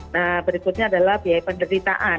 nah berikutnya adalah biaya penderitaan